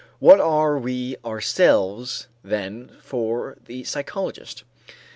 What are we ourselves then for the psychologist?